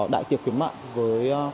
đại tiệc khuyến mại với